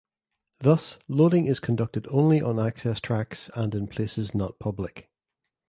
Thus loading is conducted only on access tracks and in places not public.